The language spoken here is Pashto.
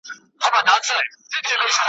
هرافغان ټوپک په لاس ناست په مورچل دئ